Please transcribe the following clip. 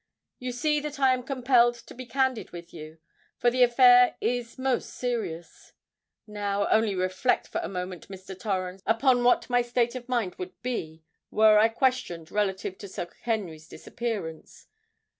You see that I am compelled to be candid with you—for the affair is most serious. Now, only reflect for a moment, Mr. Torrens, upon what my state of mind would be, were I questioned relative to Sir Henry's disappearance.